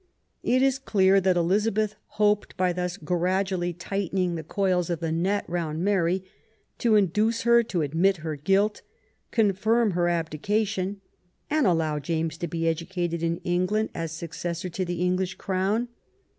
It is clear that Eliza beth hoped by thus gradually tightening the coils of the net round Mary to induce her to admit her guilt, confirm her abdication, and allow James to be educated in England as successor to the English Crown.